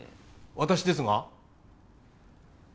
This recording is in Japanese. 私ですが。